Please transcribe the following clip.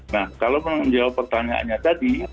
nah kalau menjawab pertanyaannya tadi